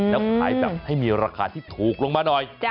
แล้วขายแบบให้มีราคาที่ถูกลงมาหน่อย